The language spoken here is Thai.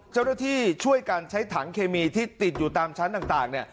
เจ้าหน้าที่ช่วยกันใช้ถังเคมีที่ติดอยู่ตามชั้นต่าง